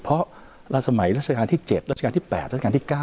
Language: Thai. เพราะสมัยราชการที่๗รัชกาลที่๘รัชกาลที่๙